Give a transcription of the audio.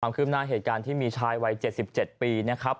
ขึ้นหน้าเหตุการณ์ที่มีชายวัย๗๗ปีนะครับ